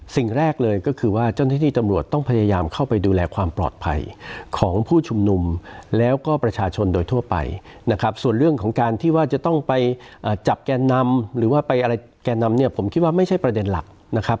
สิ่งแรกเลยก็คือว่าเจ้าหน้าที่ตำรวจต้องพยายามเข้าไปดูแลความปลอดภัยของผู้ชุมนุมแล้วก็ประชาชนโดยทั่วไปนะครับส่วนเรื่องของการที่ว่าจะต้องไปจับแกนนำหรือว่าไปอะไรแกนนำเนี่ยผมคิดว่าไม่ใช่ประเด็นหลักนะครับ